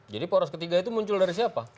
jadi poros ketiga itu muncul dari siapa